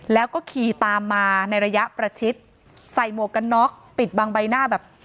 แล้วก็ขี่ตามมาในระยะประชิดใส่หมวกกันน็อกปิดบังใบหน้าแบบ